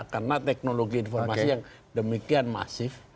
karena teknologi informasi yang demikian masif